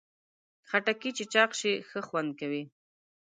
خټکی چې چاق شي، ښه خوند لري.